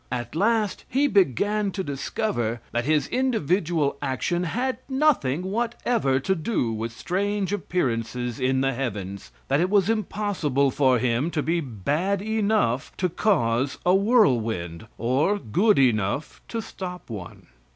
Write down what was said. At last, he began to discover that his individual action had nothing whatever to do with strange appearances in the heavens; that it was impossible for him to be bad enough to cause a whirlwind, or good enough to stop one.